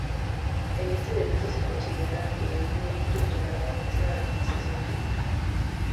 En este delito se considera que el bien tutelado es la administración pública.